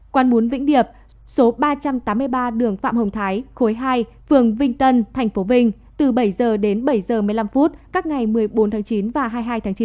quán bún vĩnh điệp số ba trăm tám mươi ba đường phạm hồng thái khối hai phường vinh tân tp vinh từ bảy h đến bảy h một mươi năm phút các ngày một mươi bốn tháng chín và hai mươi hai tháng chín